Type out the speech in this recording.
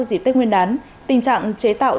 dịp tết nguyên đán tình trạng chế tạo